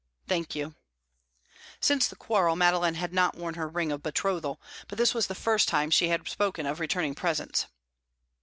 "Thank you." Since the quarrel, Madeline had not worn her ring of betrothal, but this was the first time she had spoken of returning presents.